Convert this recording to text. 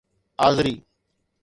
آذري